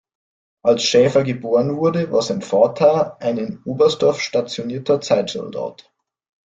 Als Schäfer geboren wurde, war sein Vater ein in Oberstdorf stationierter Zeitsoldat.